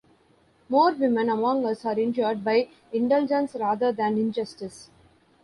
More women among us are injured by indulgence rather than injustice.